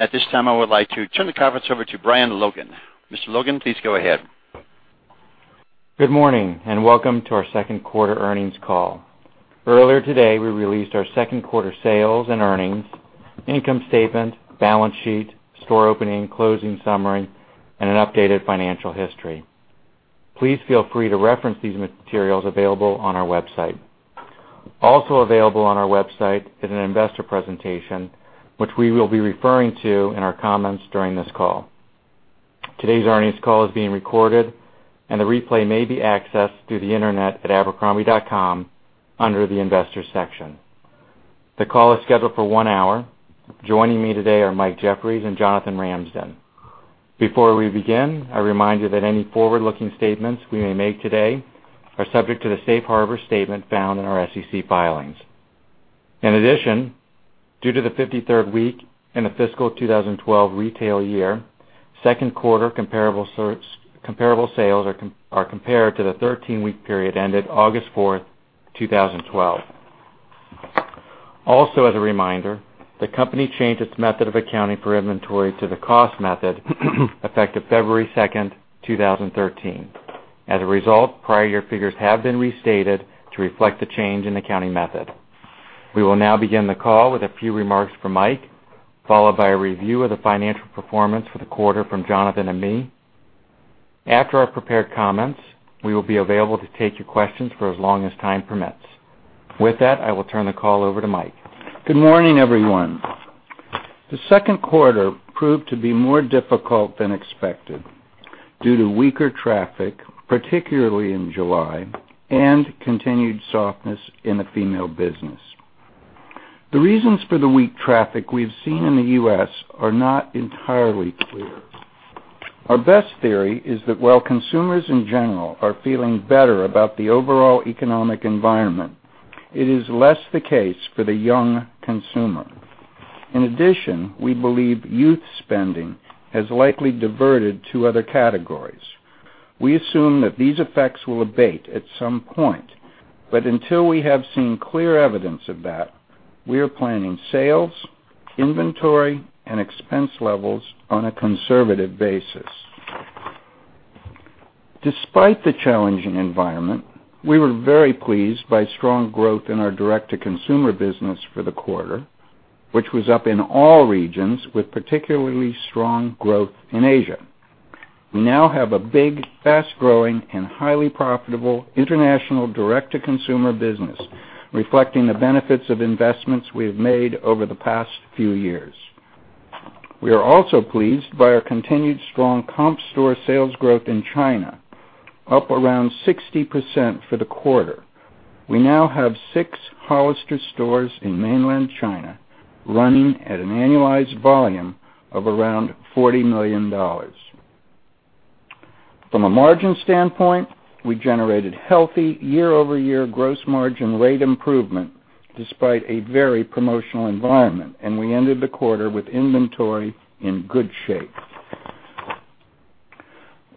At this time, I would like to turn the conference over to Brian Logan. Mr. Logan, please go ahead. Good morning. Welcome to our second quarter earnings call. Earlier today, we released our second quarter sales and earnings, income statement, balance sheet, store opening and closing summary, and an updated financial history. Please feel free to reference these materials available on our website. Also available on our website is an investor presentation, which we will be referring to in our comments during this call. Today's earnings call is being recorded, and the replay may be accessed through the internet at abercrombie.com under the investors section. The call is scheduled for one hour. Joining me today are Mike Jeffries and Jonathan Ramsden. Before we begin, a reminder that any forward-looking statements we may make today are subject to the safe harbor statement found in our SEC filings. In addition, due to the 53rd week in the fiscal 2012 retail year, second quarter comparable sales are compared to the 13-week period ended August 4th, 2012. Also as a reminder, the company changed its method of accounting for inventory to the cost method effective February 2nd, 2013. As a result, prior year figures have been restated to reflect the change in accounting method. We will now begin the call with a few remarks from Mike, followed by a review of the financial performance for the quarter from Jonathan and me. After our prepared comments, we will be available to take your questions for as long as time permits. With that, I will turn the call over to Mike. Good morning, everyone. The second quarter proved to be more difficult than expected due to weaker traffic, particularly in July, and continued softness in the female business. The reasons for the weak traffic we've seen in the U.S. are not entirely clear. Our best theory is that while consumers in general are feeling better about the overall economic environment, it is less the case for the young consumer. In addition, we believe youth spending has likely diverted to other categories. We assume that these effects will abate at some point, but until we have seen clear evidence of that, we are planning sales, inventory, and expense levels on a conservative basis. Despite the challenging environment, we were very pleased by strong growth in our direct-to-consumer business for the quarter, which was up in all regions, with particularly strong growth in Asia. We now have a big, fast-growing, and highly profitable international direct-to-consumer business, reflecting the benefits of investments we have made over the past few years. We are also pleased by our continued strong comp store sales growth in China, up around 60% for the quarter. We now have six Hollister stores in mainland China running at an annualized volume of around $40 million. From a margin standpoint, we generated healthy year-over-year gross margin rate improvement despite a very promotional environment, and we ended the quarter with inventory in good shape.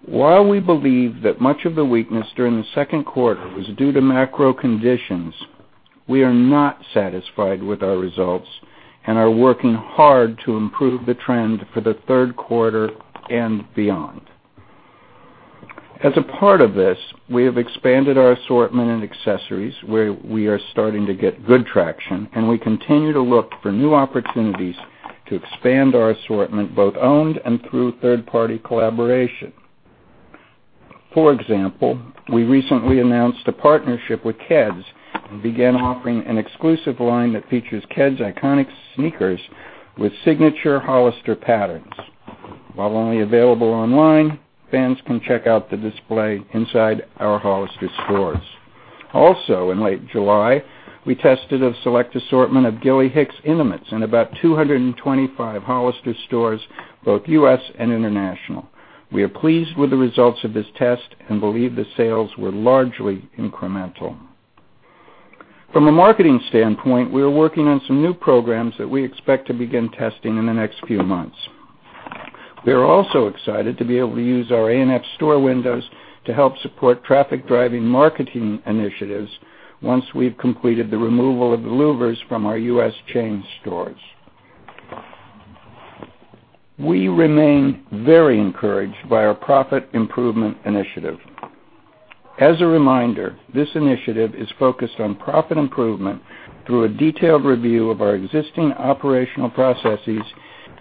While we believe that much of the weakness during the second quarter was due to macro conditions, we are not satisfied with our results and are working hard to improve the trend for the third quarter and beyond. As a part of this, we have expanded our assortment and accessories where we are starting to get good traction, and we continue to look for new opportunities to expand our assortment, both owned and through third-party collaboration. For example, we recently announced a partnership with Keds and began offering an exclusive line that features Keds iconic sneakers with signature Hollister patterns. While only available online, fans can check out the display inside our Hollister stores. Also, in late July, we tested a select assortment of Gilly Hicks intimates in about 225 Hollister stores, both U.S. and international. We are pleased with the results of this test and believe the sales were largely incremental. From a marketing standpoint, we are working on some new programs that we expect to begin testing in the next few months. We are also excited to be able to use our ANF store windows to help support traffic-driving marketing initiatives once we've completed the removal of the louvers from our U.S. chain stores. We remain very encouraged by our Profit Improvement Initiative. As a reminder, this initiative is focused on profit improvement through a detailed review of our existing operational processes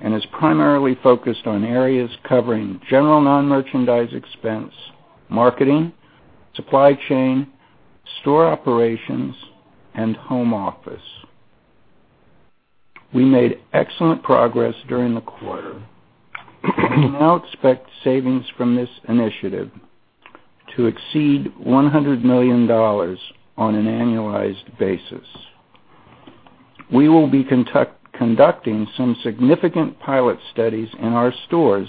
and is primarily focused on areas covering general non-merchandise expense, marketing, supply chain, store operations, and home office. We made excellent progress during the quarter. We now expect savings from this initiative to exceed $100 million on an annualized basis. We will be conducting some significant pilot studies in our stores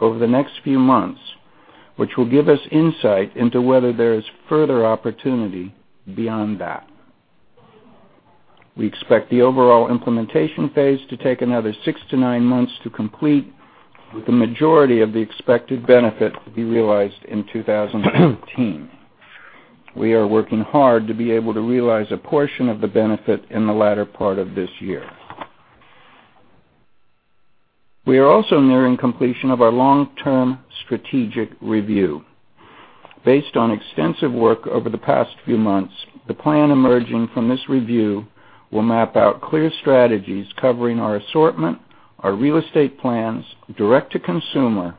over the next few months, which will give us insight into whether there is further opportunity beyond that. We expect the overall implementation phase to take another six to nine months to complete, with the majority of the expected benefit to be realized in 2015. We are working hard to be able to realize a portion of the benefit in the latter part of this year. We are also nearing completion of our Long-Term Strategic Review. Based on extensive work over the past few months, the plan emerging from this review will map out clear strategies covering our assortment, our real estate plans, direct to consumer,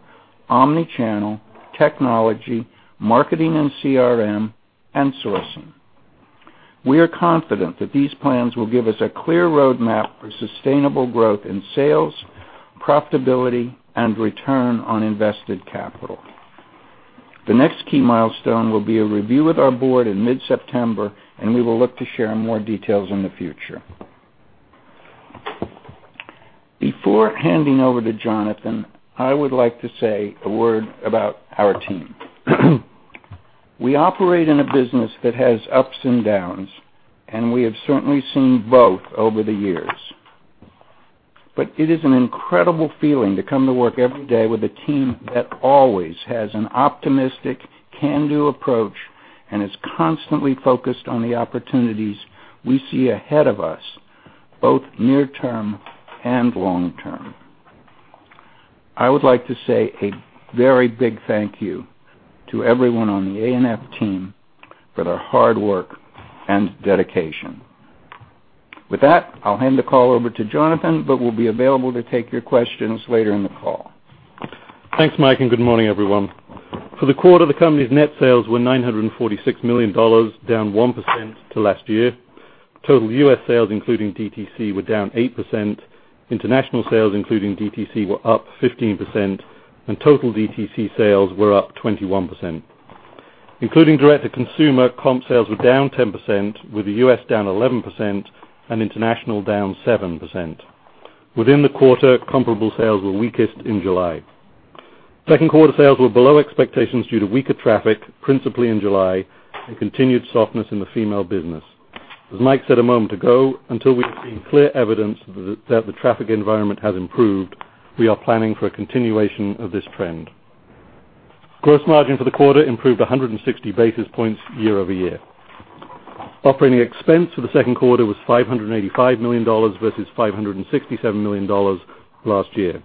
omnichannel, technology, marketing and CRM, and sourcing. We are confident that these plans will give us a clear roadmap for sustainable growth in sales, profitability, and return on invested capital. The next key milestone will be a review with our board in mid-September, and we will look to share more details in the future. Before handing over to Jonathan, I would like to say a word about our team. It is an incredible feeling to come to work every day with a team that always has an optimistic, can-do approach and is constantly focused on the opportunities we see ahead of us, both near-term and long-term. I would like to say a very big thank you to everyone on the ANF team for their hard work and dedication. With that, I'll hand the call over to Jonathan, but we'll be available to take your questions later in the call. Thanks, Mike, and good morning, everyone. For the quarter, the company's net sales were $946 million, down 1% to last year. Total U.S. sales, including DTC, were down 8%. International sales, including DTC, were up 15%, and total DTC sales were up 21%. Including direct-to-consumer, comp sales were down 10%, with the U.S. down 11% and international down 7%. Within the quarter, comparable sales were weakest in July. Second quarter sales were below expectations due to weaker traffic, principally in July, and continued softness in the female business. As Mike said a moment ago, until we have seen clear evidence that the traffic environment has improved, we are planning for a continuation of this trend. Gross margin for the quarter improved 160 basis points year-over-year. Operating expense for the second quarter was $585 million versus $567 million last year.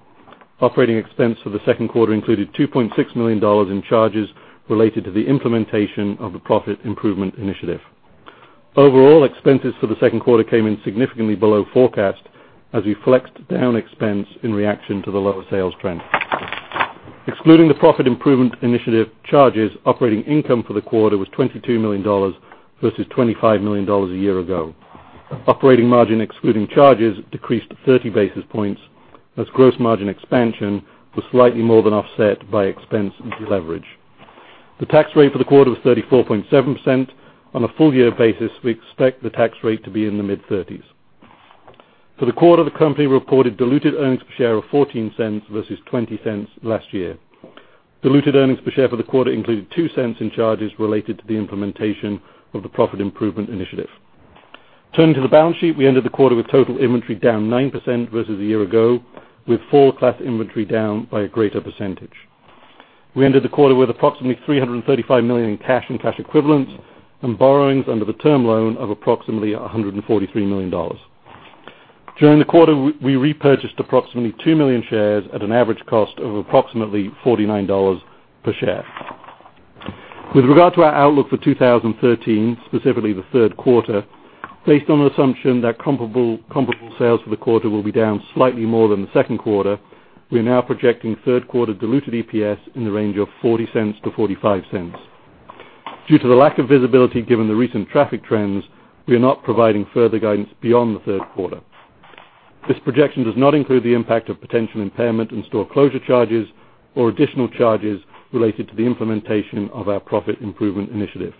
Operating expense for the second quarter included $2.6 million in charges related to the implementation of the Profit Improvement Initiative. Overall, expenses for the second quarter came in significantly below forecast as we flexed down expense in reaction to the lower sales trend. Excluding the Profit Improvement Initiative charges, operating income for the quarter was $22 million versus $25 million a year ago. Operating margin excluding charges decreased 30 basis points as gross margin expansion was slightly more than offset by expense leverage. The tax rate for the quarter was 34.7%. On a full year basis, we expect the tax rate to be in the mid-30s. For the quarter, the company reported diluted earnings per share of $0.14 versus $0.20 last year. Diluted earnings per share for the quarter included $0.02 in charges related to the implementation of the Profit Improvement Initiative. Turning to the balance sheet, we ended the quarter with total inventory down 9% versus a year ago, with full class inventory down by a greater percentage. We ended the quarter with approximately $335 million in cash and cash equivalents and borrowings under the term loan of approximately $143 million. During the quarter, we repurchased approximately 2 million shares at an average cost of approximately $49 per share. With regard to our outlook for 2013, specifically the third quarter, based on the assumption that comparable sales for the quarter will be down slightly more than the second quarter, we are now projecting third quarter diluted EPS in the range of $0.40-$0.45. Due to the lack of visibility given the recent traffic trends, we are not providing further guidance beyond the third quarter. This projection does not include the impact of potential impairment and store closure charges or additional charges related to the implementation of our profit improvement initiative.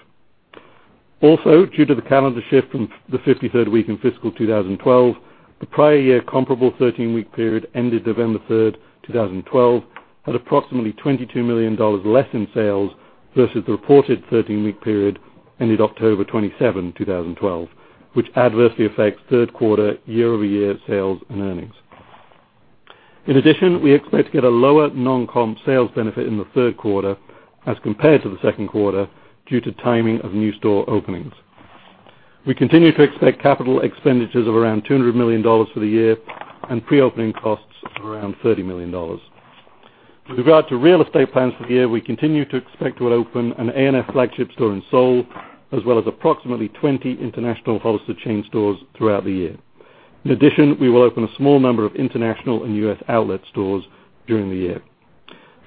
Also, due to the calendar shift from the 53rd week in fiscal 2012, the prior year comparable 13-week period ended November 3, 2012, at approximately $22 million less in sales versus the reported 13-week period ended October 27, 2012, which adversely affects third quarter year-over-year sales and earnings. In addition, we expect to get a lower non-comp sales benefit in the third quarter as compared to the second quarter due to timing of new store openings. We continue to expect CapEx of around $200 million for the year and pre-opening costs of around $30 million. With regard to real estate plans for the year, we continue to expect to open an ANF flagship store in Seoul, as well as approximately 20 international Hollister chain stores throughout the year. In addition, we will open a small number of international and U.S. outlet stores during the year.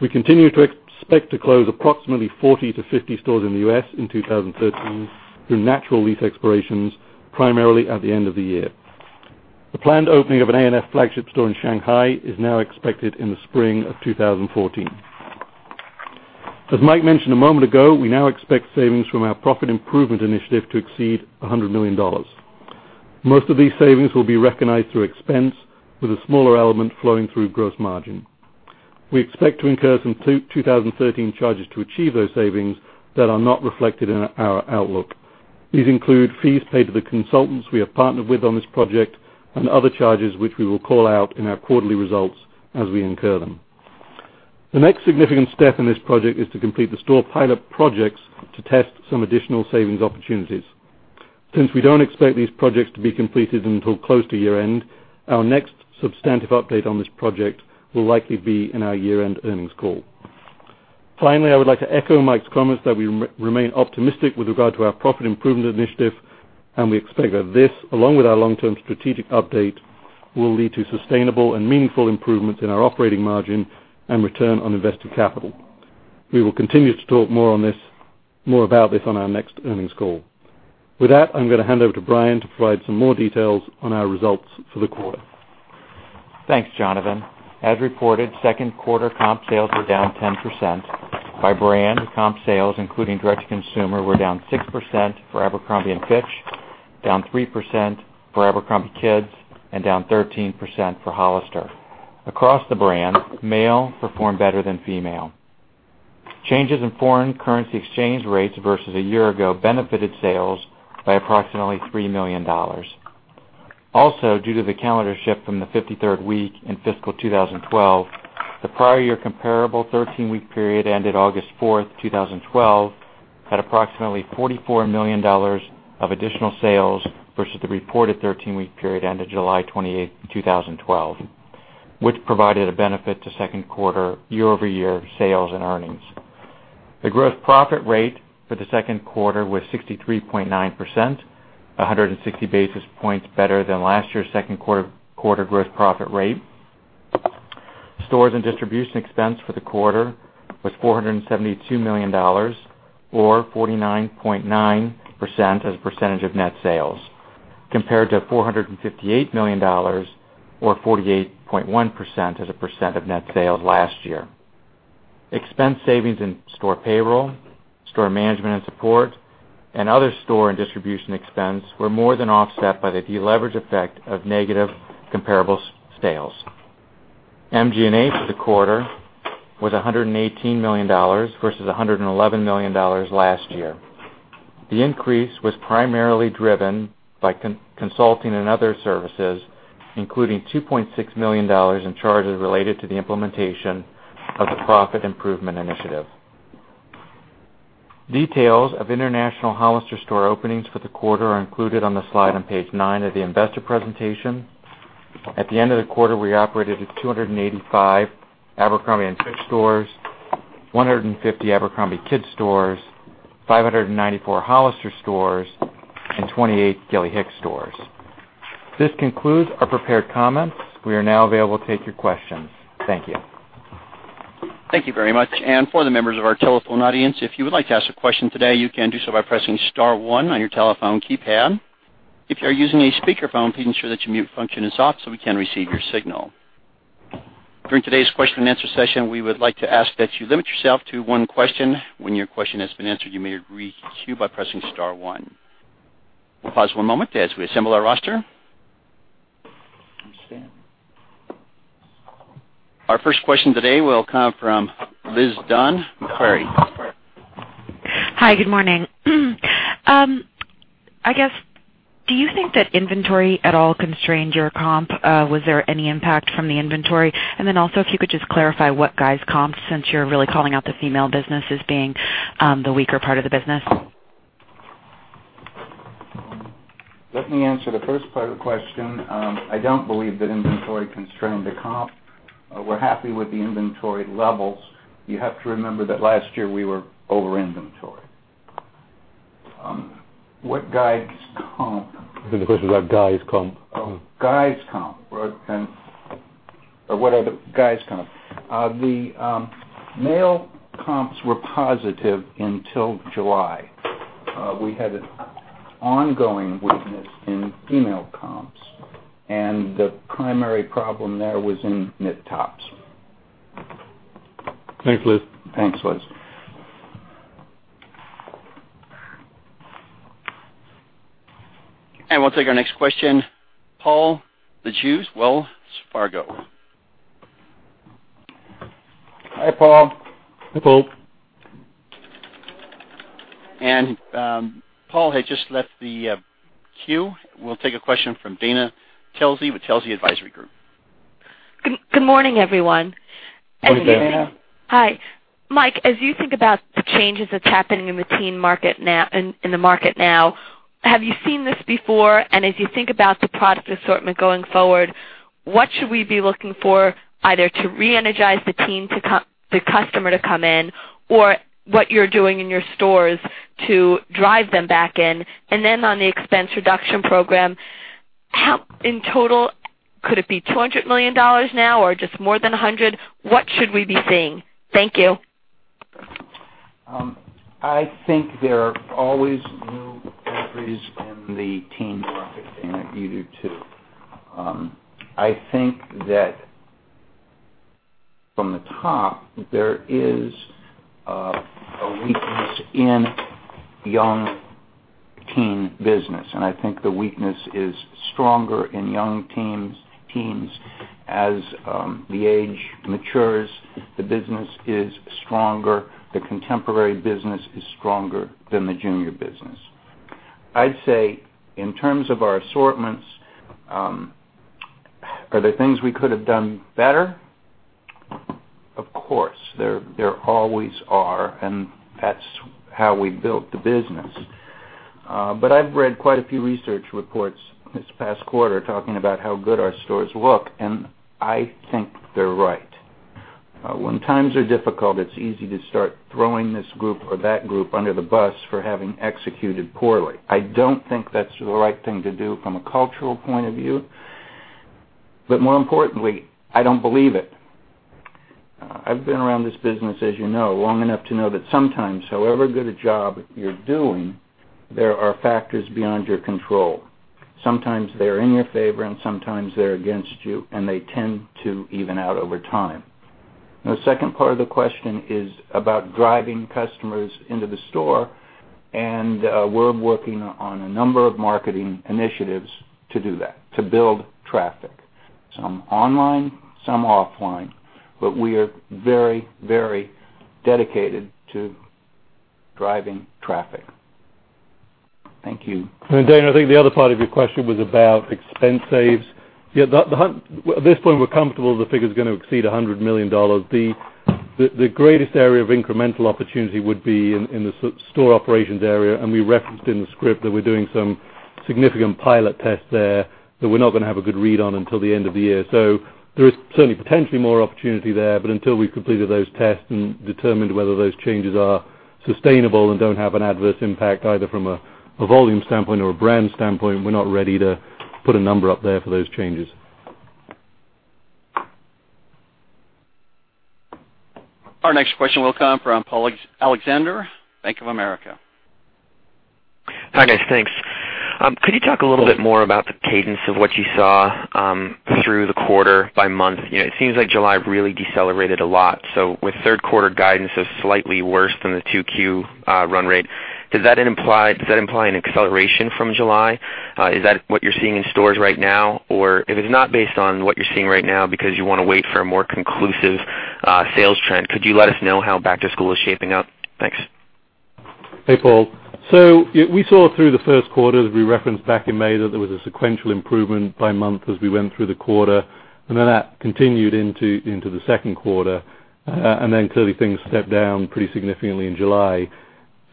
We continue to expect to close approximately 40-50 stores in the U.S. in 2013 through natural lease expirations, primarily at the end of the year. The planned opening of an ANF flagship store in Shanghai is now expected in the spring of 2014. As Mike mentioned a moment ago, we now expect savings from our profit improvement initiative to exceed $100 million. Most of these savings will be recognized through expense, with a smaller element flowing through gross margin. We expect to incur some 2013 charges to achieve those savings that are not reflected in our outlook. These include fees paid to the consultants we have partnered with on this project and other charges which we will call out in our quarterly results as we incur them. The next significant step in this project is to complete the store pilot projects to test some additional savings opportunities. Since we don't expect these projects to be completed until close to year-end, our next substantive update on this project will likely be in our year-end earnings call. Finally, I would like to echo Mike's comments that we remain optimistic with regard to our profit improvement initiative, and we expect that this, along with our long-term strategic update, will lead to sustainable and meaningful improvements in our operating margin and return on invested capital. We will continue to talk more about this on our next earnings call. I'm going to hand over to Brian to provide some more details on our results for the quarter. Thanks, Jonathan. As reported, second quarter comp sales were down 10%. By brand, comp sales, including direct-to-consumer, were down 6% for Abercrombie & Fitch, down 3% for abercrombie kids, and down 13% for Hollister. Across the brands, male performed better than female. Changes in foreign currency exchange rates versus a year ago benefited sales by approximately $3 million. Also, due to the calendar shift from the 53rd week in fiscal 2012, the prior year comparable 13-week period ended August 4th, 2012, had approximately $44 million of additional sales versus the reported 13-week period ended July 28th, 2012, which provided a benefit to second quarter year-over-year sales and earnings. The gross profit rate for the second quarter was 63.9%, 160 basis points better than last year's second quarter gross profit rate. Stores and distribution expense for the quarter was $472 million, or 49.9% as a percentage of net sales, compared to $458 million, or 48.1% as a percent of net sales last year. Expense savings in store payroll, store management and support, and other store and distribution expense were more than offset by the de-leverage effect of negative comparable sales. MG&A for the quarter was $118 million versus $111 million last year. The increase was primarily driven by consulting and other services, including $2.6 million in charges related to the implementation of the Profit Improvement Initiative. Details of international Hollister store openings for the quarter are included on the slide on page nine of the investor presentation. At the end of the quarter, we operated at 285 Abercrombie & Fitch stores, 150 abercrombie kids stores, 594 Hollister stores, and 28 Gilly Hicks stores. This concludes our prepared comments. We are now available to take your questions. Thank you. Thank you very much. For the members of our telephone audience, if you would like to ask a question today, you can do so by pressing star one on your telephone keypad. If you are using a speakerphone, please ensure that your mute function is off so we can receive your signal. During today's question and answer session, we would like to ask that you limit yourself to one question. When your question has been answered, you may re-queue by pressing star one. We'll pause one moment as we assemble our roster. Our first question today will come from Liz Dunn, Macquarie. Hi. Good morning. I guess, do you think that inventory at all constrained your comp? Was there any impact from the inventory? Also, if you could just clarify what guides comps, since you're really calling out the female business as being the weaker part of the business. Let me answer the first part of the question. I don't believe that inventory constrained the comp. We're happy with the inventory levels. You have to remember that last year we were over inventory. What guides comp? I think the question is about guides comp. Oh, guides comp. Right. What are the guides comp? The male comps were positive until July. We had an ongoing weakness in female comps. The primary problem there was in knit tops. Thanks, Liz. Thanks, Liz. We'll take our next question. Paul Lejuez, Wells Fargo. Hi, Paul. Hi, Paul. Paul has just left the queue. We'll take a question from Dana Telsey with Telsey Advisory Group. Good morning, everyone. Good morning, Dana. Hi. Mike, as you think about the changes that's happening in the market now, have you seen this before? As you think about the product assortment going forward, what should we be looking for either to reenergize the customer to come in, or what you're doing in your stores to drive them back in? On the expense reduction program, in total, could it be $200 million now or just more than 100? What should we be seeing? Thank you. I think there are always new inventories in the teen market, Dana. You do too. I think that from the top, there is a weakness in young teen business. I think the weakness is stronger in young teens. As the age matures, the business is stronger. The contemporary business is stronger than the junior business. I'd say, in terms of our assortments, are there things we could have done better? Of course. There always are, that's how we built the business. I've read quite a few research reports this past quarter talking about how good our stores look. I think they're right. When times are difficult, it's easy to start throwing this group or that group under the bus for having executed poorly. I don't think that's the right thing to do from a cultural point of view. More importantly, I don't believe it. I've been around this business, as you know, long enough to know that sometimes, however good a job you're doing, there are factors beyond your control. Sometimes they're in your favor, and sometimes they're against you, they tend to even out over time. The second part of the question is about driving customers into the store, we're working on a number of marketing initiatives to do that, to build traffic. Some online, some offline, we are very dedicated to driving traffic. Thank you. Dan, I think the other part of your question was about expense saves. At this point, we're comfortable the figure's going to exceed $100 million. The greatest area of incremental opportunity would be in the store operations area, and we referenced in the script that we're doing some significant pilot tests there that we're not going to have a good read on until the end of the year. There is certainly potentially more opportunity there, but until we've completed those tests and determined whether those changes are sustainable and don't have an adverse impact either from a volume standpoint or a brand standpoint, we're not ready to put a number up there for those changes. Our next question will come from Paul Alexander, Bank of America. Hi, guys. Thanks. Could you talk a little bit more about the cadence of what you saw through the quarter by month? It seems like July really decelerated a lot. With third quarter guidance is slightly worse than the 2Q run rate, does that imply an acceleration from July? Is that what you're seeing in stores right now? Or if it's not based on what you're seeing right now because you want to wait for a more conclusive sales trend, could you let us know how back to school is shaping up? Thanks. Hey, Paul. We saw through the first quarter, as we referenced back in May, that there was a sequential improvement by month as we went through the quarter, and that continued into the second quarter. Clearly things stepped down pretty significantly in July.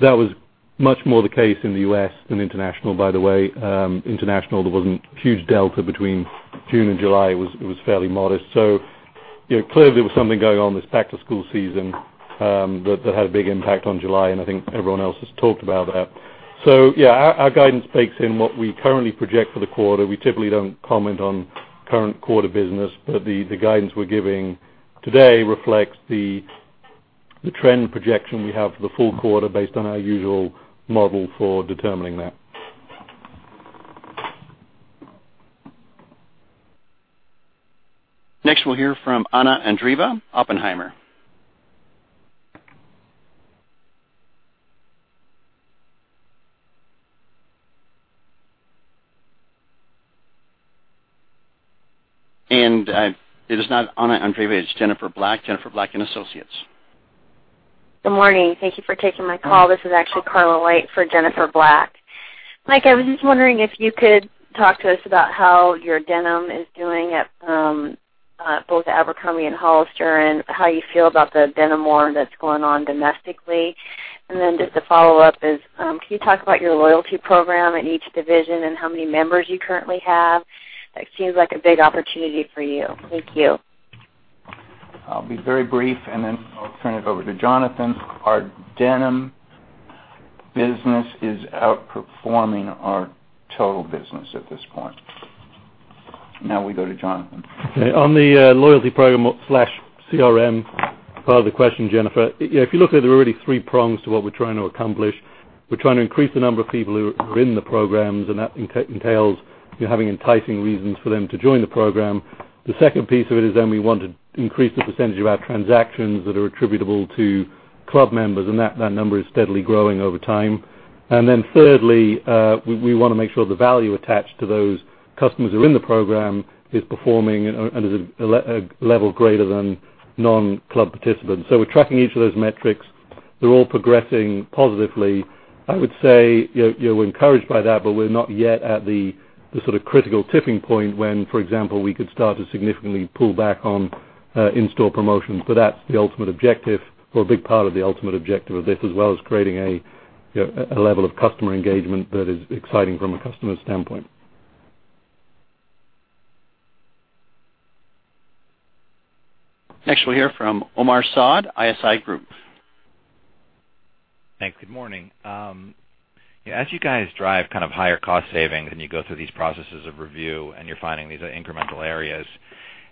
That was much more the case in the U.S. than international, by the way. International, there wasn't huge delta between June and July. It was fairly modest. Clearly, there was something going on this back-to-school season that had a big impact on July, and I think everyone else has talked about that. Yeah, our guidance bakes in what we currently project for the quarter. We typically don't comment on current quarter business, but the guidance we're giving today reflects the trend projection we have for the full quarter based on our usual model for determining that. Next, we'll hear from Anna Andreeva, Oppenheimer. It is not Anna Andreeva. It's Jennifer Black, Jennifer Black & Associates. Good morning. Thank you for taking my call. This is actually Carla White for Jennifer Black. Mike, I was just wondering if you could talk to us about how your denim is doing at both Abercrombie and Hollister, and how you feel about the denim war that's going on domestically. Then just a follow-up is, can you talk about your loyalty program in each division and how many members you currently have? That seems like a big opportunity for you. Thank you. I'll be very brief, and then I'll turn it over to Jonathan. Our denim business is outperforming our total business at this point. Now we go to Jonathan. On the loyalty program/CRM part of the question, Jennifer, if you look at it, there are really three prongs to what we're trying to accomplish. We're trying to increase the number of people who are in the programs, and that entails you having enticing reasons for them to join the program. The second piece of it is then we want to increase the percentage of our transactions that are attributable to club members, and that number is steadily growing over time. Then thirdly, we want to make sure the value attached to those customers who are in the program is performing and is a level greater than non-club participants. We're tracking each of those metrics. They're all progressing positively. I would say, we're encouraged by that, but we're not yet at the sort of critical tipping point when, for example, we could start to significantly pull back on in-store promotions. That's the ultimate objective or a big part of the ultimate objective of this, as well as creating a level of customer engagement that is exciting from a customer standpoint. Next, we'll hear from Omar Saad, ISI Group. Thanks. Good morning. As you guys drive kind of higher cost savings, and you go through these processes of review and you're finding these incremental areas,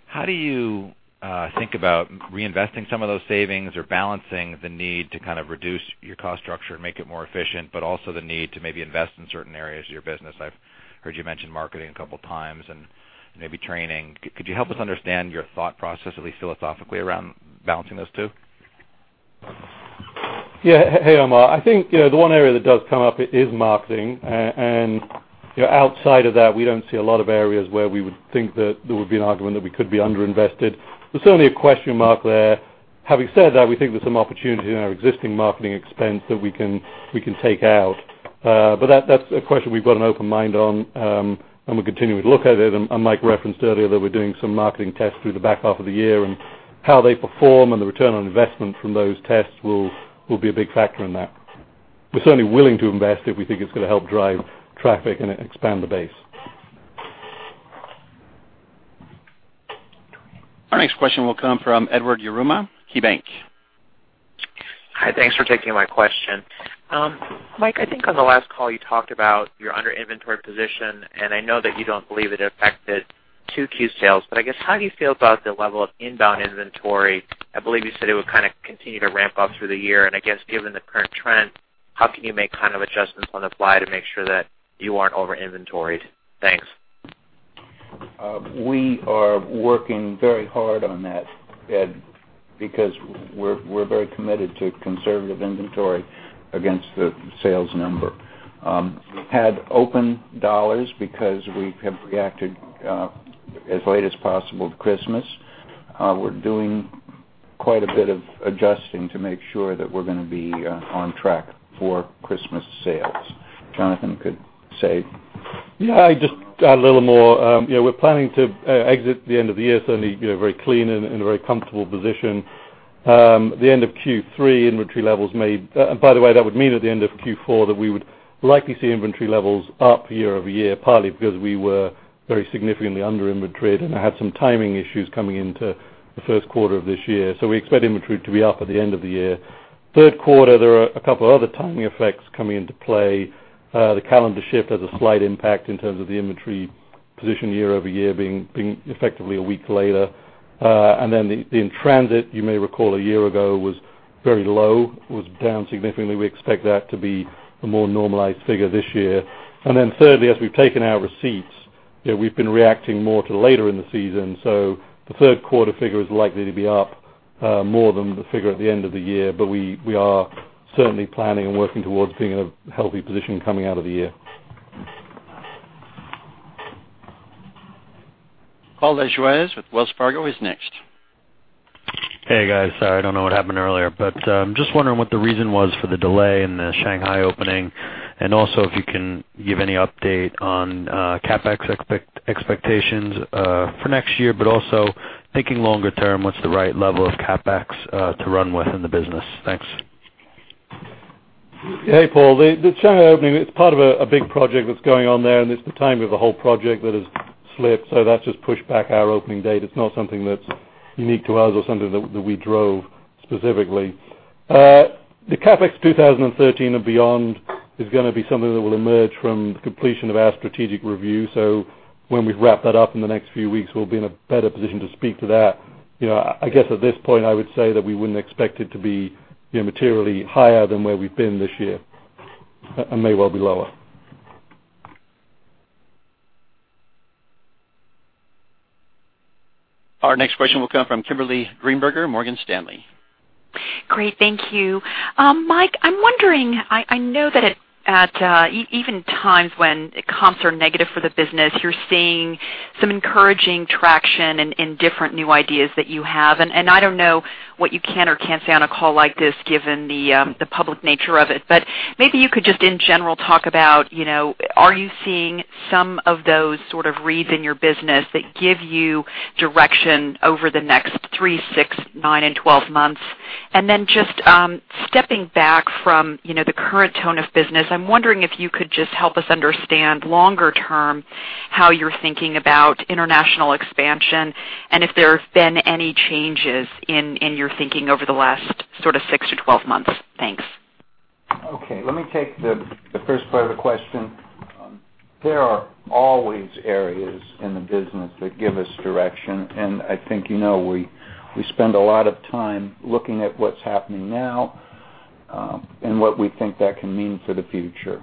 how do you think about reinvesting some of those savings or balancing the need to kind of reduce your cost structure and make it more efficient, but also the need to maybe invest in certain areas of your business? I've heard you mention marketing a couple of times and maybe training. Could you help us understand your thought process, at least philosophically, around balancing those two? Yeah. Hey, Omar. I think the one area that does come up is marketing, and outside of that, we don't see a lot of areas where we would think that there would be an argument that we could be under-invested. There's certainly a question mark there. Having said that, we think there's some opportunity in our existing marketing expense that we can take out. That's a question we've got an open mind on. We're continuing to look at it. Mike referenced earlier that we're doing some marketing tests through the back half of the year, and how they perform and the return on investment from those tests will be a big factor in that. We're certainly willing to invest if we think it's going to help drive traffic and expand the base. Our next question will come from Edward Yruma, KeyBank. Hi. Thanks for taking my question. Mike, I think on the last call, you talked about your under-inventory position, I know that you don't believe it affected 2Q sales, but I guess how do you feel about the level of inbound inventory? I believe you said it would kind of continue to ramp up through the year, I guess given the current trend, how can you make kind of adjustments on the fly to make sure that you aren't over-inventoried? Thanks. We are working very hard on that, Ed, because we're very committed to conservative inventory against the sales number. We had open dollars because we have reacted as late as possible to Christmas. We're doing quite a bit of adjusting to make sure that we're going to be on track for Christmas sales. Jonathan could say. Just add a little more. We're planning to exit the end of the year, certainly, very clean and in a very comfortable position. The end of Q3 inventory levels. By the way, that would mean at the end of Q4 that we would likely see inventory levels up year-over-year, partly because we were very significantly under-inventoried and had some timing issues coming into the first quarter of this year. We expect inventory to be up at the end of the year. Third quarter, there are a couple other timing effects coming into play. The calendar shift has a slight impact in terms of the inventory position year-over-year being effectively one week later. Then the in-transit, you may recall one year ago, was very low, was down significantly. We expect that to be a more normalized figure this year. Thirdly, as we've taken our receipts, we've been reacting more to later in the season. The third quarter figure is likely to be up more than the figure at the end of the year. We are certainly planning and working towards being in a healthy position coming out of the year. Paul Lejuez with Wells Fargo is next. Hey, guys. Sorry, I don't know what happened earlier, just wondering what the reason was for the delay in the Shanghai opening, if you can give any update on CapEx expectations for next year, thinking longer term, what's the right level of CapEx to run with in the business? Thanks. Hey, Paul. The Shanghai opening, it's part of a big project that's going on there, and it's the timing of the whole project that has slipped. That's just pushed back our opening date. It's not something that's unique to us or something that we drove specifically. The CapEx 2013 and beyond is going to be something that will emerge from the completion of our strategic review. When we've wrapped that up in the next few weeks, we'll be in a better position to speak to that. I guess at this point, I would say that we wouldn't expect it to be materially higher than where we've been this year, and may well be lower. Our next question will come from Kimberly Greenberger, Morgan Stanley. Great. Thank you. Mike, I'm wondering, I know that at even times when comps are negative for the business, you're seeing some encouraging traction in different new ideas that you have, and I don't know what you can or can't say on a call like this given the public nature of it. Maybe you could just in general talk about, are you seeing some of those sort of reads in your business that give you direction over the next three, six, nine, and 12 months? Just stepping back from the current tone of business, I'm wondering if you could just help us understand longer term how you're thinking about international expansion and if there have been any changes in your thinking over the last sort of six to 12 months? Thanks. Okay. Let me take the first part of the question. There are always areas in the business that give us direction, and I think you know we spend a lot of time looking at what's happening now, and what we think that can mean for the future.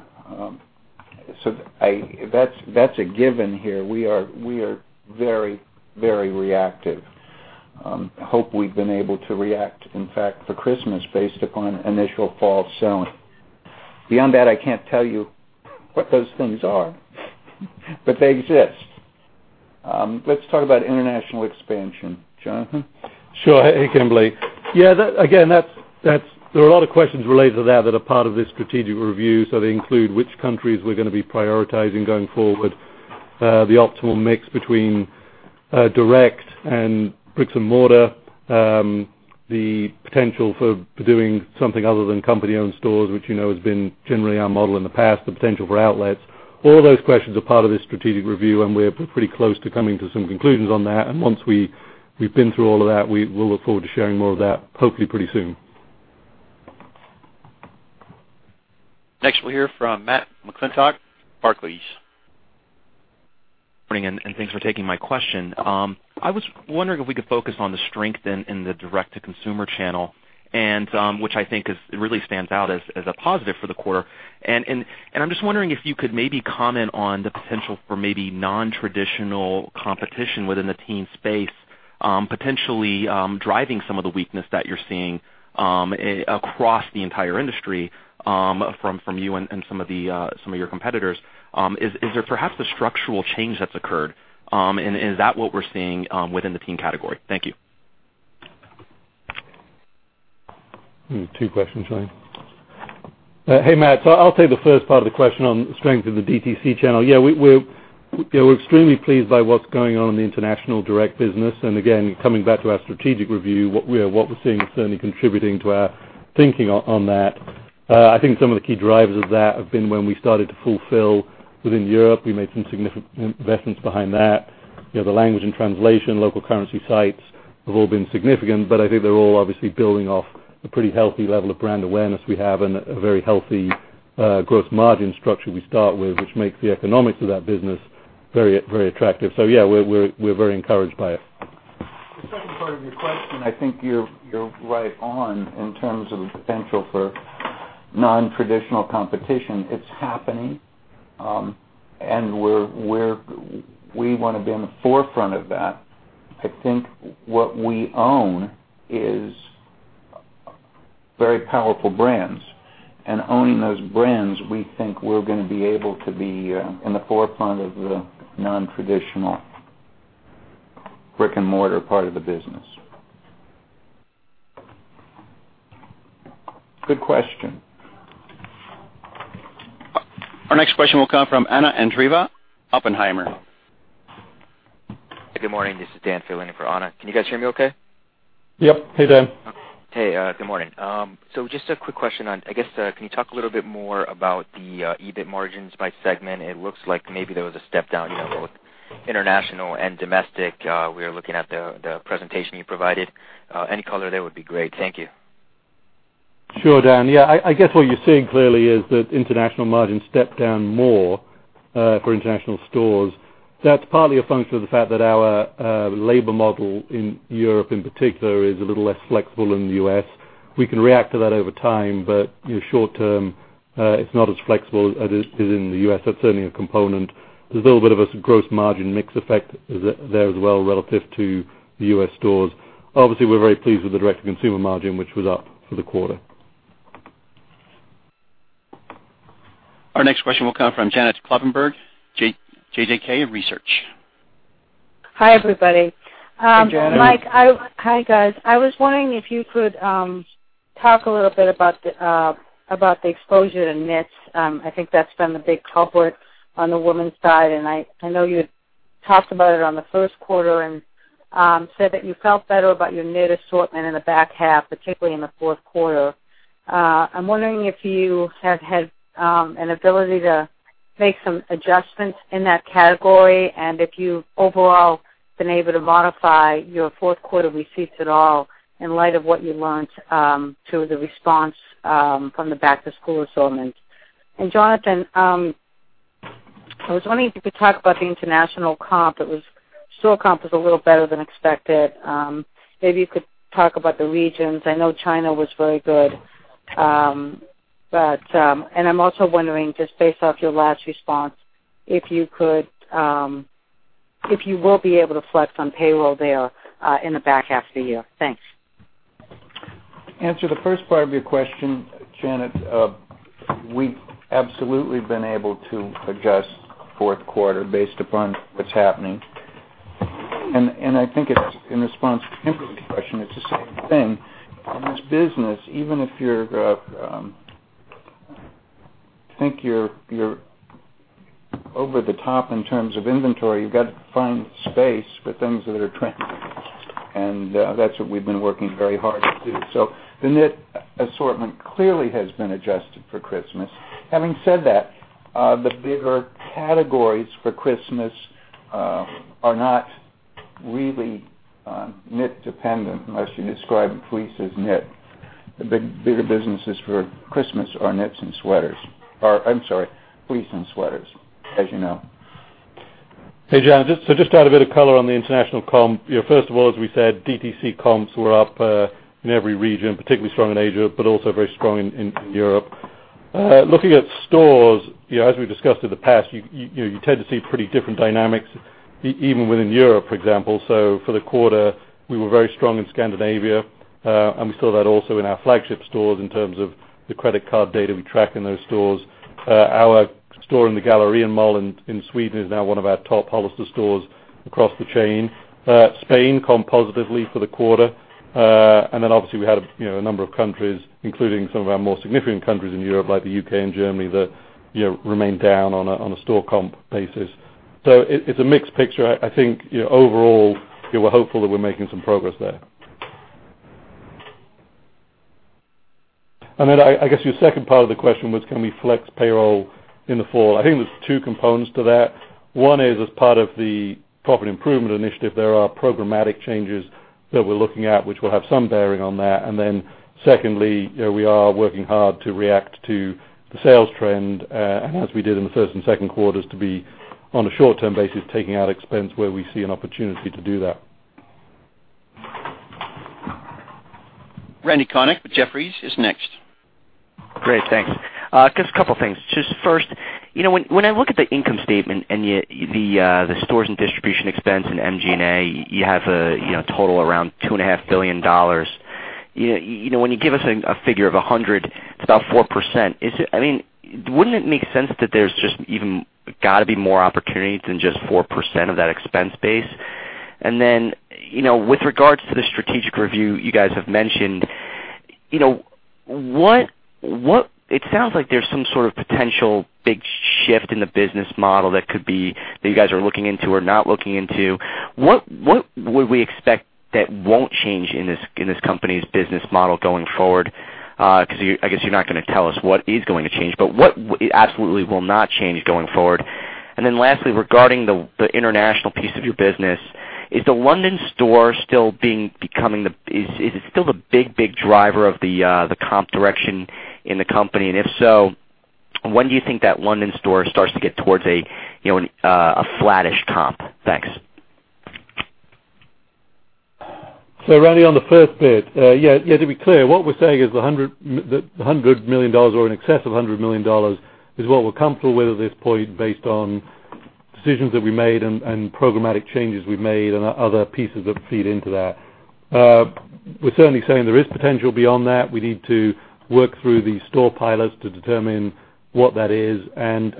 That's a given here. We are very reactive. I hope we've been able to react, in fact, for Christmas based upon initial fall selling. Beyond that, I can't tell you what those things are, but they exist. Let's talk about international expansion. Jonathan? Sure. Hey, Kimberly. Yeah, again, there are a lot of questions related to that are part of this strategic review. They include which countries we're going to be prioritizing going forward, the optimal mix between direct and bricks and mortar, the potential for doing something other than company-owned stores, which you know has been generally our model in the past, the potential for outlets. All those questions are part of this strategic review, and we're pretty close to coming to some conclusions on that. Once we've been through all of that, we'll look forward to sharing more of that, hopefully pretty soon. Next, we'll hear from Matthew McClintock, Barclays. Good morning, and thanks for taking my question. I was wondering if we could focus on the strength in the direct-to-consumer channel, which I think really stands out as a positive for the quarter. I'm just wondering if you could maybe comment on the potential for maybe non-traditional competition within the teen space, potentially driving some of the weakness that you're seeing across the entire industry from you and some of your competitors. Is there perhaps a structural change that's occurred, is that what we're seeing within the teen category? Thank you. Two questions, right? Hey, Matt. I'll take the first part of the question on the strength of the DTC channel. Yeah, we're extremely pleased by what's going on in the international direct business. Again, coming back to our strategic review, what we're seeing is certainly contributing to our thinking on that. I think some of the key drivers of that have been when we started to fulfill within Europe. We made some significant investments behind that. The language and translation, local currency sites have all been significant, but I think they're all obviously building off a pretty healthy level of brand awareness we have and a very healthy gross margin structure we start with, which makes the economics of that business very attractive. Yeah, we're very encouraged by it. The second part of your question, I think you're right on in terms of the potential for non-traditional competition. It's happening. We want to be on the forefront of that. I think what we own is very powerful brands. Owning those brands, we think we're going to be able to be in the forefront of the non-traditional brick-and-mortar part of the business. Good question. Our next question will come from Anna Andreeva, Oppenheimer. Good morning. This is Dan filling in for Anna. Can you guys hear me okay? Yep. Hey, Dan. Hey, good morning. Just a quick question on, I guess, can you talk a little bit more about the EBIT margins by segment? It looks like maybe there was a step down both international and domestic. We are looking at the presentation you provided. Any color there would be great. Thank you. Sure, Dan. Yeah. I guess what you're seeing clearly is that international margins stepped down more for international stores. That's partly a function of the fact that our labor model in Europe in particular is a little less flexible than the U.S. We can react to that over time, but short-term, it's not as flexible as in the U.S. That's certainly a component. There's a little bit of a gross margin mix effect there as well relative to the U.S. stores. Obviously, we're very pleased with the direct-to-consumer margin, which was up for the quarter. Our next question will come from Janet Kloppenburg, JJK Research. Hi, everybody. Hey, Janet. Mike. Hi, guys. I was wondering if you could talk a little bit about the exposure to knits. I think that's been the big culprit on the women's side. I know you had talked about it on the first quarter and said that you felt better about your knit assortment in the back half, particularly in the fourth quarter. I'm wondering if you have had an ability to make some adjustments in that category and if you've overall been able to modify your fourth quarter receipts at all in light of what you learned through the response from the back-to-school assortment. Jonathan, I was wondering if you could talk about the international comp. Store comp was a little better than expected. Maybe you could talk about the regions. I know China was very good. I'm also wondering, just based off your last response, if you will be able to flex on payroll there in the back half of the year. Thanks. To answer the first part of your question, Janet, we've absolutely been able to adjust fourth quarter based upon what's happening. I think in response to Kimberly's question, it's the same thing. In this business, even if you think you're over the top in terms of inventory, you've got to find space for things that are trending. That's what we've been working very hard to do. The knit assortment clearly has been adjusted for Christmas. Having said that, the bigger categories for Christmas are not really knit dependent unless you describe fleece as knit. The bigger businesses for Christmas are knits and sweaters. I'm sorry, fleece and sweaters, as you know. Hey, Janet. Just to add a bit of color on the international comp. First of all, as we said, DTC comps were up in every region, particularly strong in Asia, but also very strong in Europe. Looking at stores, as we've discussed in the past, you tend to see pretty different dynamics even within Europe, for example. For the quarter, we were very strong in Scandinavia, and we saw that also in our flagship stores in terms of the credit card data we track in those stores. Our store in the Gallerian Mall in Sweden is now one of our top Hollister stores across the chain. Spain comped positively for the quarter. Obviously we had a number of countries, including some of our more significant countries in Europe, like the U.K. and Germany, that remained down on a store comp basis. It's a mixed picture. I think overall, we're hopeful that we're making some progress there. I guess your second part of the question was can we flex payroll in the fall. I think there's two components to that. One is as part of the profit improvement initiative, there are programmatic changes that we're looking at, which will have some bearing on that. Secondly, we are working hard to react to the sales trend, as we did in the first and second quarters, to be on a short-term basis, taking out expense where we see an opportunity to do that. Randal Konik with Jefferies is next. Great. Thanks. Just a couple of things. First, when I look at the income statement and the stores and distribution expense and MG&A, you have a total around $2.5 billion. When you give us a figure of 100, it's about 4%. Wouldn't it make sense that there's just even got to be more opportunities than just 4% of that expense base? With regards to the strategic review you guys have mentioned, it sounds like there's some sort of potential big shift in the business model that you guys are looking into or not looking into. What would we expect that won't change in this company's business model going forward? Because I guess you're not going to tell us what is going to change, but what absolutely will not change going forward? Lastly, regarding the international piece of your business, is the London store still the big driver of the comp direction in the company? If so, when do you think that London store starts to get towards a flattish comp? Thanks. Randy, on the first bit, to be clear, what we're saying is the $100 million or in excess of $100 million is what we're comfortable with at this point based on decisions that we made and programmatic changes we've made and other pieces that feed into that. We're certainly saying there is potential beyond that. We need to work through the store pilots to determine what that is, and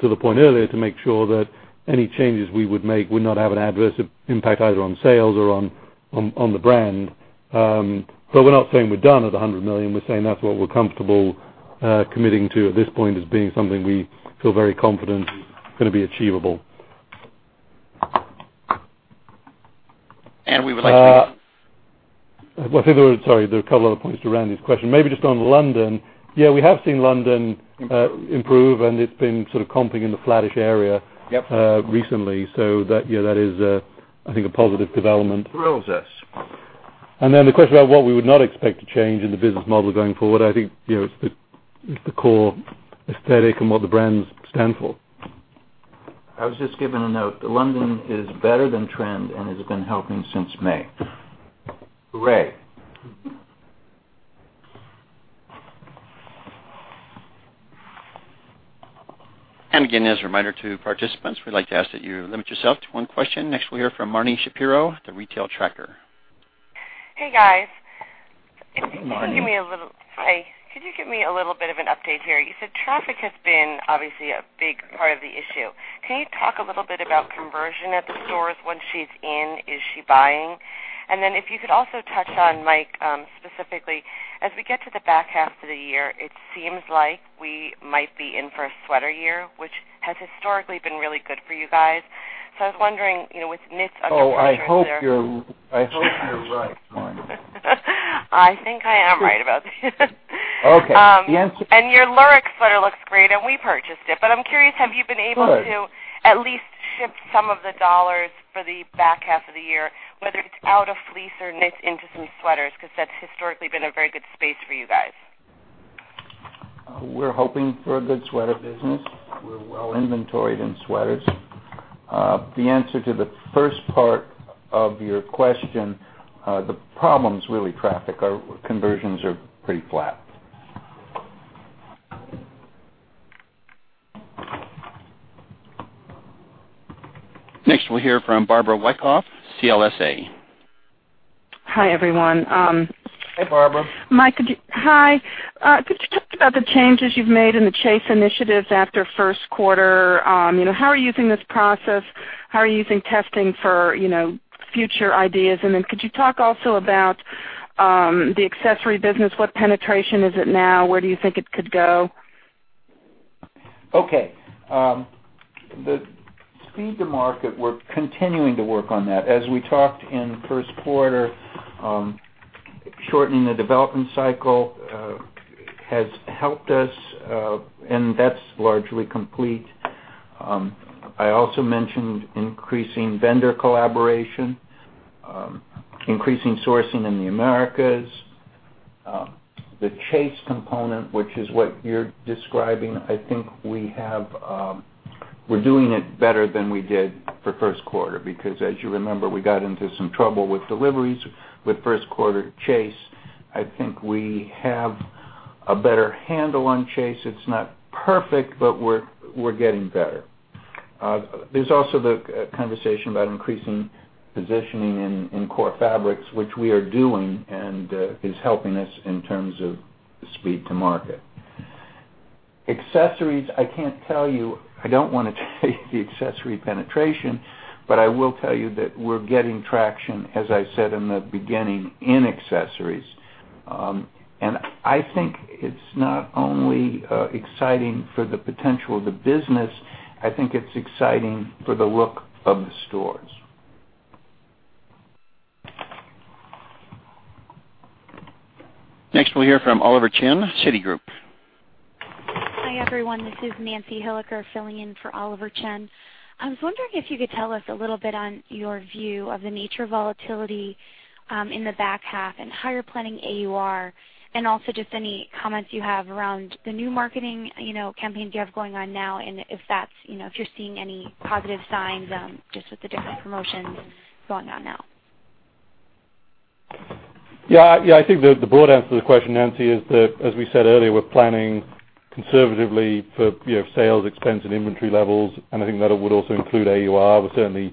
to the point earlier, to make sure that any changes we would make would not have an adverse impact either on sales or on the brand. We're not saying we're done at $100 million. We're saying that's what we're comfortable committing to at this point as being something we feel very confident is going to be achievable. We would like to- Sorry, there are a couple other points to Randal's question. Maybe just on London. Yeah, we have seen London improve, and it's been sort of comping in the flattish area recently. Yep. That is, I think, a positive development. Thrills us. The question about what we would not expect to change in the business model going forward, I think it's the core aesthetic and what the brands stand for. I was just given a note. The London is better than trend and has been helping since May. Hooray. Again, as a reminder to participants, we'd like to ask that you limit yourself to one question. Next, we'll hear from Marni Shapiro at The Retail Tracker. Hey, guys. Hi, Marni. Hi. Could you give me a little bit of an update here? You said traffic has been obviously a big part of the issue. Can you talk a little bit about conversion at the stores? Once she's in, is she buying? Then if you could also touch on, Mike, specifically, as we get to the back half of the year, it seems like we might be in for a sweater year, which has historically been really good for you guys. I was wondering, with knits under pressure- Oh, I hope you're right, Marni. I think I am right about that. Okay. Your Lurex sweater looks great, and we purchased it. I'm curious, have you been able to at least ship some of the dollars for the back half of the year, whether it's out of fleece or knit into some sweaters? That's historically been a very good space for you guys. We're hoping for a good sweater business. We're well inventoried in sweaters. The answer to the first part of your question, the problem's really traffic. Our conversions are pretty flat. Next, we'll hear from Barbara Wyckoff, CLSA. Hi, everyone. Hey, Barbara. Mike, hi. Could you talk about the changes you've made in the Chase initiatives after first quarter? How are you using this process? How are you using testing for future ideas? Then could you talk also about the accessory business? What penetration is it now? Where do you think it could go? Okay. The speed to market, we're continuing to work on that. As we talked in the first quarter, shortening the development cycle has helped us, and that's largely complete. I also mentioned increasing vendor collaboration, increasing sourcing in the Americas. The Chase component, which is what you're describing, I think we're doing it better than we did for first quarter, because as you remember, we got into some trouble with deliveries with first quarter Chase. I think we have a better handle on Chase. It's not perfect, but we're getting better. There's also the conversation about increasing positioning in core fabrics, which we are doing, and is helping us in terms of speed to market. Accessories, I can't tell you. I don't want to tell you the accessory penetration, but I will tell you that we're getting traction, as I said in the beginning, in accessories. I think it's not only exciting for the potential of the business, I think it's exciting for the look of the stores. Next, we'll hear from Oliver Chen, Citigroup. Hi, everyone. This is Nancy Hilliker filling in for Oliver Chen. I was wondering if you could tell us a little bit on your view of the nature of volatility in the back half and how you're planning AUR, and also just any comments you have around the new marketing campaign you have going on now and if you're seeing any positive signs just with the different promotions going on now. Yeah. I think the broad answer to the question, Nancy, is that, as we said earlier, we're planning conservatively for sales expense and inventory levels, and I think that would also include AUR. We're certainly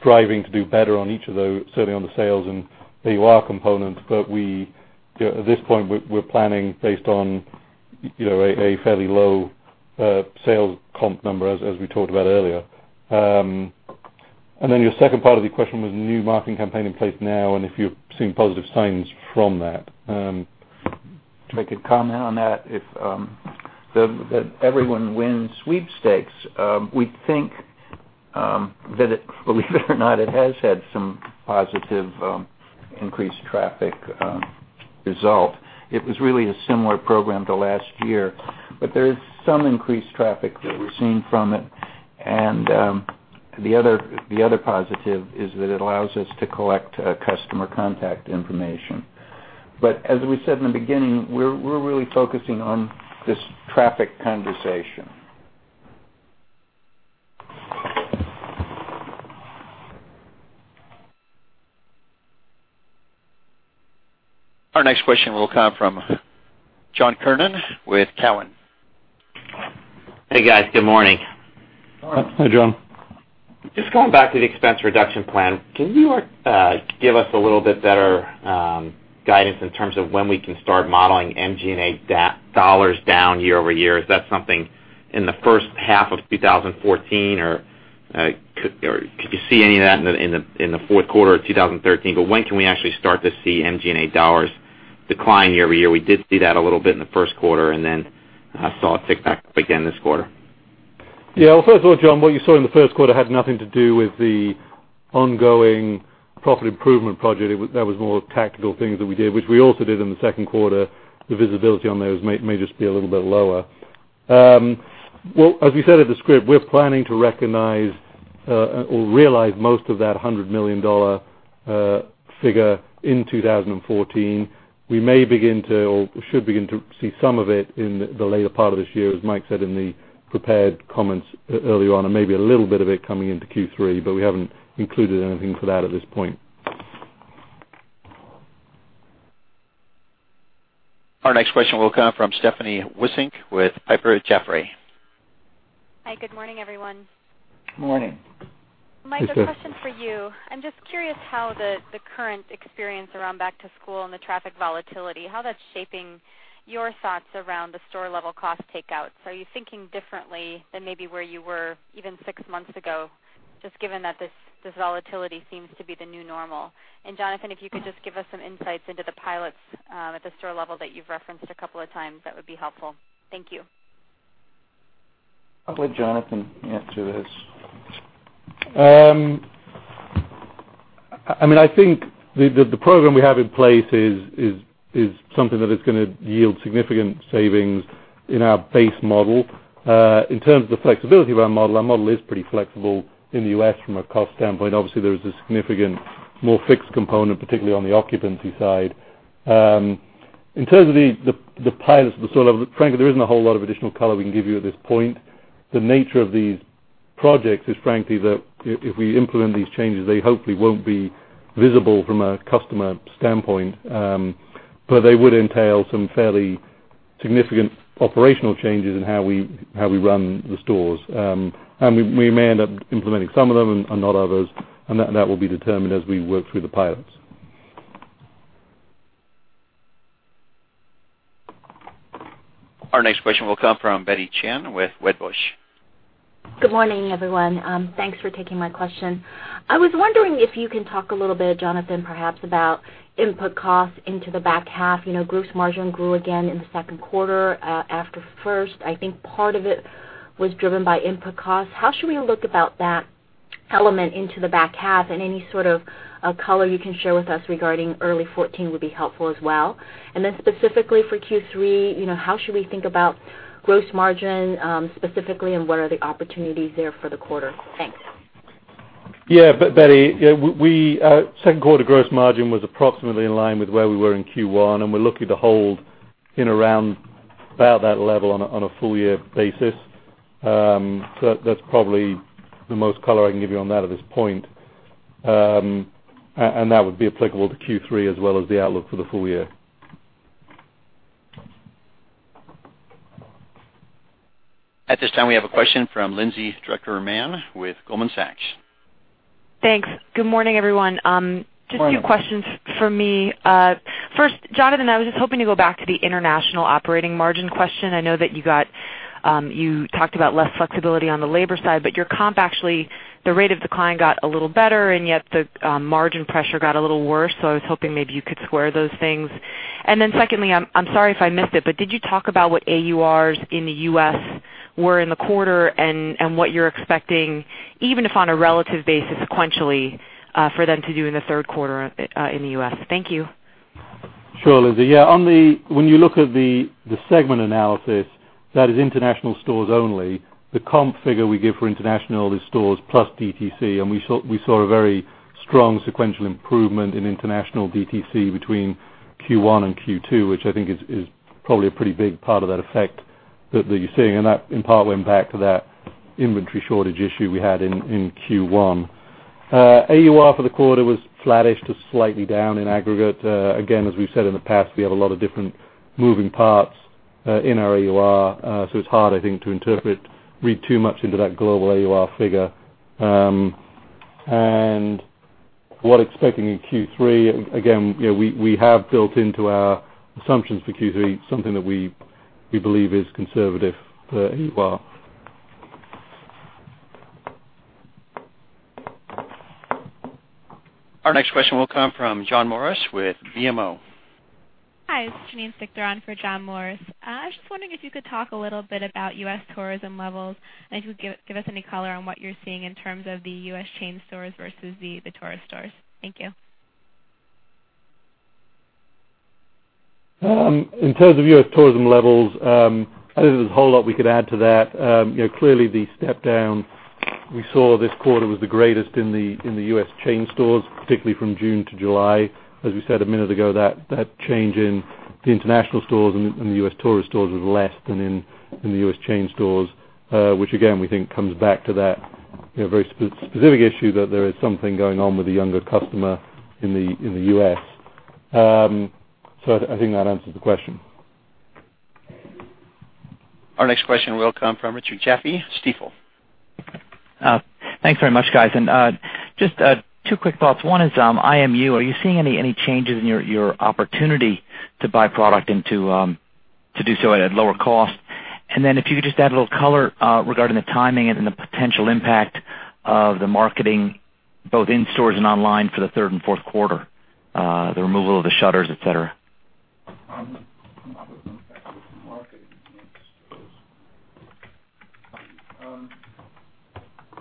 striving to do better on each of those, certainly on the sales and AUR components. At this point, we're planning based on a fairly low sales comp number, as we talked about earlier. Your second part of the question was new marketing campaign in place now, and if you're seeing positive signs from that. I could comment on that. The Everyone Wins sweepstakes, we think that, believe it or not, it has had some positive increased traffic result. It was really a similar program to last year, but there is some increased traffic that we're seeing from it. The other positive is that it allows us to collect customer contact information. As we said in the beginning, we're really focusing on this traffic conversation. Our next question will come from John Kernan with Cowen. Hey, guys. Good morning. Hi. Hi, John. Just going back to the expense reduction plan, can you give us a little bit better guidance in terms of when we can start modeling MG&A dollars down year-over-year? Is that something in the first half of 2014, or could you see any of that in the fourth quarter of 2013? When can we actually start to see MG&A dollars decline year-over-year? We did see that a little bit in the first quarter, and then saw it tick back up again this quarter. Yeah. Well, first of all, John, what you saw in the first quarter had nothing to do with the ongoing profit improvement project. That was more tactical things that we did, which we also did in the second quarter. The visibility on those may just be a little bit lower. Well, as we said in the script, we're planning to recognize or realize most of that $100 million figure in 2014. We may begin to, or should begin to, see some of it in the later part of this year, as Mike said in the prepared comments earlier on, and maybe a little bit of it coming into Q3, but we haven't included anything for that at this point. Our next question will come from Stephanie Wissink with Piper Sandler. Hi, good morning, everyone. Morning. Hey, Steph. Mike, a question for you. I'm just curious how the current experience around back to school and the traffic volatility, how that's shaping your thoughts around the store-level cost takeouts. Are you thinking differently than maybe where you were even six months ago, just given that this volatility seems to be the new normal? Jonathan, if you could just give us some insights into the pilots at the store level that you've referenced a couple of times, that would be helpful. Thank you. I'll let Jonathan answer this. I think the program we have in place is something that is going to yield significant savings in our base model. In terms of the flexibility of our model, our model is pretty flexible in the U.S. from a cost standpoint. Obviously, there is a significant, more fixed component, particularly on the occupancy side. In terms of the pilots at the store level, frankly, there isn't a whole lot of additional color we can give you at this point. The nature of these projects is, frankly, that if we implement these changes, they hopefully won't be visible from a customer standpoint. They would entail some fairly significant operational changes in how we run the stores. We may end up implementing some of them and not others, and that will be determined as we work through the pilots. Our next question will come from Betty Chen with Wedbush. Good morning, everyone. Thanks for taking my question. I was wondering if you can talk a little bit, Jonathan, perhaps, about input costs into the back half. Gross margin grew again in the second quarter, after first. I think part of it was driven by input costs. How should we look about that element into the back half, and any sort of color you can share with us regarding early 2014 would be helpful as well. Specifically for Q3, how should we think about gross margin specifically, and what are the opportunities there for the quarter? Thanks. Yeah, Betty. Second quarter gross margin was approximately in line with where we were in Q1, we're looking to hold in around about that level on a full year basis. That's probably the most color I can give you on that at this point. That would be applicable to Q3 as well as the outlook for the full year. At this time, we have a question from Lindsay Drucker Mann with Goldman Sachs. Thanks. Good morning, everyone. Morning. Just a few questions for me. First, Jonathan, I was just hoping to go back to the international operating margin question. I know that you talked about less flexibility on the labor side, but your comp, actually, the rate of decline got a little better, and yet the margin pressure got a little worse. I was hoping maybe you could square those things. Secondly, I'm sorry if I missed it, but did you talk about what AURs in the U.S. were in the quarter and what you're expecting, even if on a relative basis sequentially, for them to do in the third quarter in the U.S.? Thank you. Sure, Lindsay. Yeah. When you look at the segment analysis, that is international stores only. The comp figure we give for international is stores plus DTC, and we saw a very strong sequential improvement in international DTC between Q1 and Q2, which I think is probably a pretty big part of that effect that you're seeing. That in part went back to that inventory shortage issue we had in Q1. AUR for the quarter was flattish to slightly down in aggregate. Again, as we've said in the past, we have a lot of different moving parts in our AUR. It's hard, I think, to interpret, read too much into that global AUR figure. What expecting in Q3, again, we have built into our assumptions for Q3 something that we believe is conservative for AUR. Our next question will come from John Morris with BMO. Hi, this is Janine Stichter for John Morris. I was just wondering if you could talk a little bit about U.S. tourism levels, if you could give us any color on what you're seeing in terms of the U.S. chain stores versus the tourist stores. Thank you. In terms of U.S. tourism levels, I don't think there's a whole lot we could add to that. Clearly, the step down we saw this quarter was the greatest in the U.S. chain stores, particularly from June to July. As we said a minute ago, that change in the international stores and the U.S. tourist stores was less than in the U.S. chain stores, which again, we think comes back to that very specific issue that there is something going on with the younger customer in the U.S. I think that answers the question. Our next question will come from Richard Jaffe, Stifel. Thanks very much, guys. Just two quick thoughts. One is, IMU, are you seeing any changes in your opportunity to buy product and to do so at a lower cost? If you could just add a little color regarding the timing and the potential impact of the marketing, both in stores and online for the third and fourth quarter, the removal of the shutters, et cetera.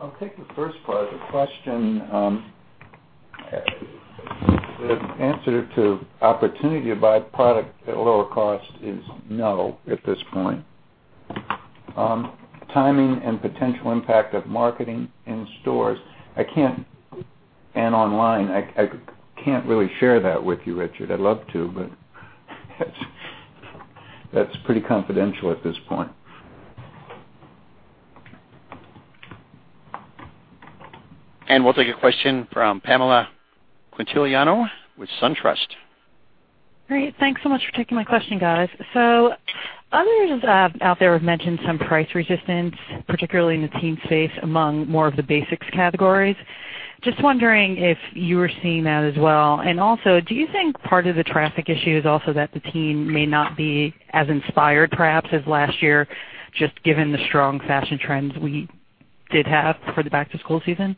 I'll take the first part of the question. The answer to opportunity to buy product at a lower cost is no at this point. Timing and potential impact of marketing in stores and online, I can't really share that with you, Richard. I'd love to, but that's pretty confidential at this point. We'll take a question from Pamela Quintiliano with SunTrust. Great. Thanks so much for taking my question, guys. Others out there have mentioned some price resistance, particularly in the teen space, among more of the basics categories. Just wondering if you were seeing that as well. Do you think part of the traffic issue is also that the teen may not be as inspired, perhaps, as last year, just given the strong fashion trends we did have for the back-to-school season?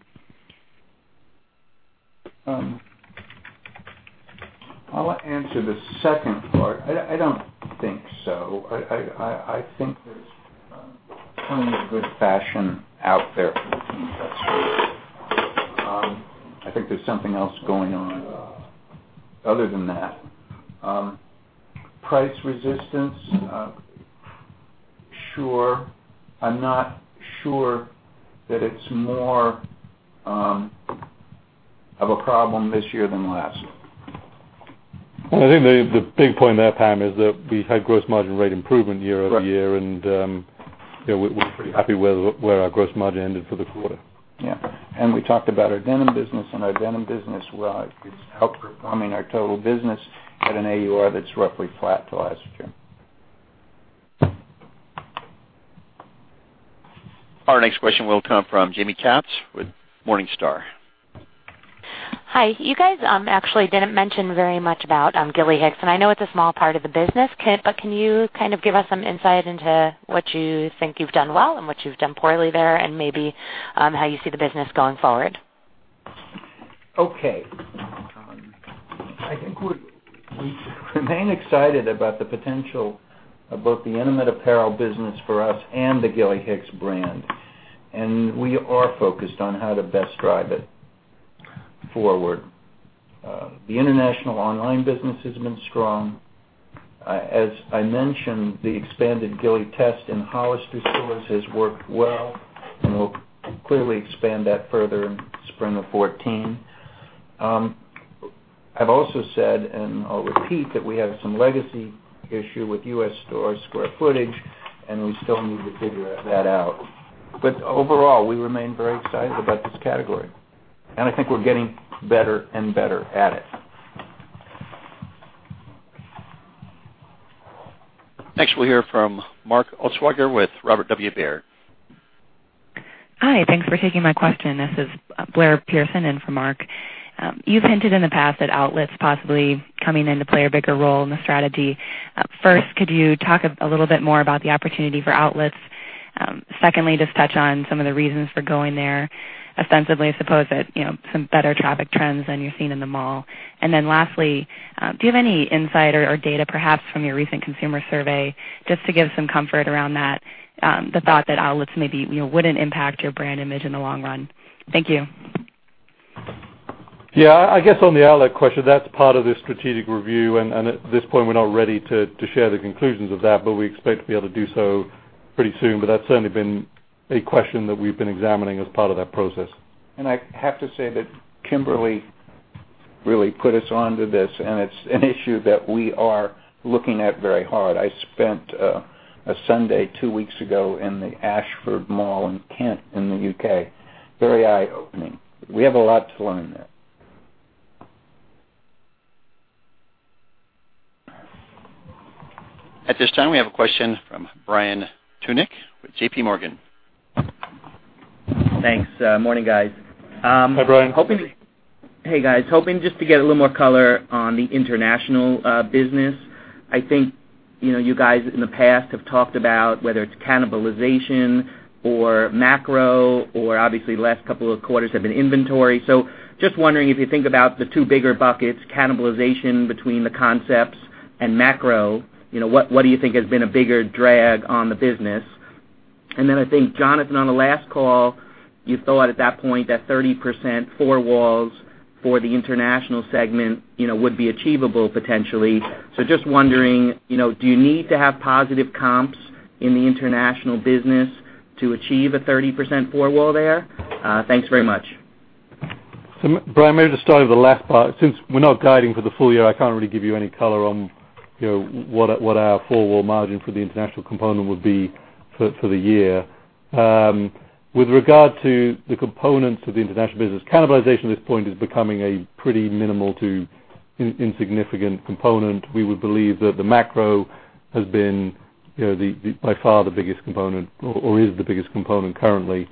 I'll answer the second part. I don't think so. I think there's plenty of good fashion out there for the teen customer. I think there's something else going on other than that. Price resistance, sure. I'm not sure that it's more of a problem this year than last year. I think the big point there, Pam, is that we had gross margin rate improvement year-over-year. Right. We're pretty happy where our gross margin ended for the quarter. Yeah. We talked about our denim business, and our denim business is outperforming our total business at an AUR that's roughly flat to last year. Our next question will come from Jaime Katz with Morningstar. Hi. You guys actually didn't mention very much about Gilly Hicks, and I know it's a small part of the business. Can you give us some insight into what you think you've done well and what you've done poorly there and maybe how you see the business going forward? Okay. I think we remain excited about the potential of both the intimate apparel business for us and the Gilly Hicks brand. We are focused on how to best drive it forward. The international online business has been strong. As I mentioned, the expanded Gilly test in Hollister stores has worked well, and we'll clearly expand that further in spring of 2014. I've also said, and I'll repeat, that we have some legacy issue with U.S. store square footage, and we still need to figure that out. Overall, we remain very excited about this category, and I think we're getting better and better at it. Next, we'll hear from Mark Altschwager with Robert W. Baird. Hi. Thanks for taking my question. This is Blair Pearson in for Mark. You've hinted in the past at outlets possibly coming in to play a bigger role in the strategy. First, could you talk a little bit more about the opportunity for outlets? Secondly, just touch on some of the reasons for going there. Ostensibly, I suppose that some better traffic trends than you're seeing in the mall. Lastly, do you have any insight or data perhaps from your recent consumer survey, just to give some comfort around that the thought that outlets maybe wouldn't impact your brand image in the long run? Thank you. Yeah. I guess on the outlet question, that's part of the strategic review. At this point, we're not ready to share the conclusions of that, we expect to be able to do so pretty soon. That's certainly been a question that we've been examining as part of that process. I have to say that Kimberly really put us onto this. It's an issue that we are looking at very hard. I spent a Sunday two weeks ago in the Ashford Mall in Kent in the U.K. Very eye-opening. We have a lot to learn there. At this time, we have a question from Brian Tunick with JPMorgan. Thanks. Morning, guys. Hi, Brian. Hey, guys. Hoping just to get a little more color on the international business. I think you guys in the past have talked about whether it's cannibalization or macro or obviously last couple of quarters have been inventory. Just wondering if you think about the two bigger buckets, cannibalization between the concepts and macro, what do you think has been a bigger drag on the business? I think, Jonathan, on the last call, you thought at that point that 30% four walls for the international segment would be achievable potentially. Just wondering, do you need to have positive comps in the international business to achieve a 30% four wall there? Thanks very much. Brian, maybe to start with the last part, since we're not guiding for the full year, I can't really give you any color on what our four-wall margin for the international component would be for the year. With regard to the components of the international business, cannibalization at this point is becoming a pretty minimal to insignificant component. We would believe that the macro has been by far the biggest component or is the biggest component currently.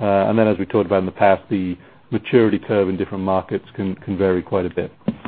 As we talked about in the past, the maturity curve in different markets can vary quite a bit.